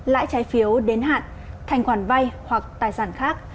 lãi trái phiếu đến hạn thành khoản vay hoặc tài sản khác